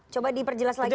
coba diperjelas lagi